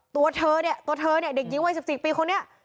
ตัวเธอเนี้ยตัวเธอเนี้ยเด็กยิ่งวันสิบสิบปีคนเนี้ย